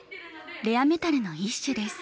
レアメタルの一種です。